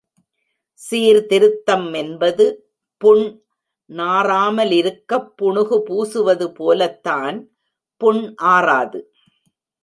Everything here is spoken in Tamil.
சீர்திருத்தம் என்பது புண் நாறாமலிருக்கப் புணுகு பூசுவது போலத்தான் புண் ஆறாது.